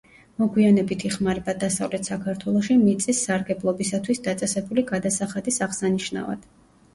მოგვიანებით იხმარება დასავლეთ საქართველოში მიწის სარგებლობისათვის დაწესებული გადასახადის აღსანიშნავად.